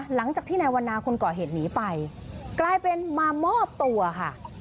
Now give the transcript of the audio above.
หลังจากที่นายวันนาคนก่อเหตุหนีไปกลายเป็นมามอบตัวค่ะ